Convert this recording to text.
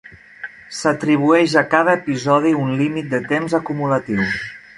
S'atribueix a cada episodi un límit de temps acumulatiu.